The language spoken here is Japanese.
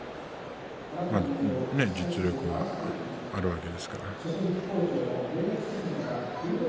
実力は、あるわけですから。